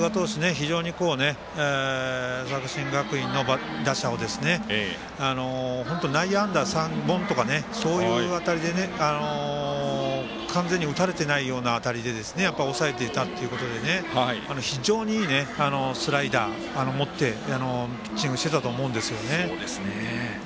非常に作新学院の打者を本当に内野安打３本とかそういう当たりで完全に打たれていないような当たりで抑えていたということで非常にいいスライダー持ってピッチングしてたと思うんですね。